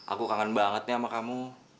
aku kangen banget nih sama kamu